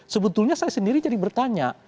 sebetulnya saya sendiri jadi bertanya